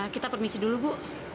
kita permisi dulu bu